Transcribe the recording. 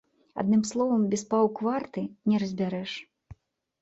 Адным словам, без паўкварты не разбярэш.